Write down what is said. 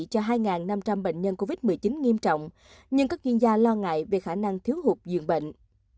cho hai năm trăm linh bệnh nhân covid một mươi chín nghiêm trọng nhưng các chuyên gia lo ngại về khả năng thiếu hụt diện bệnh